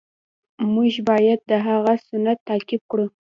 مونږ باید د هغه سنت تعقیب کړو.